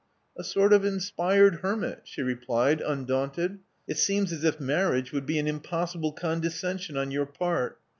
*'A sort of inspired hermit," she replied, undaunted. It seems as if marriage would be an impossible con descension on your part.